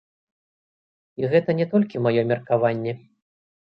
І гэта не толькі маё меркаванне.